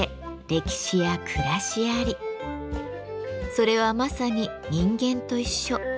それはまさに人間と一緒。